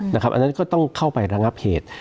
อันนั้นก็ต้องเข้าไประงับเหตุ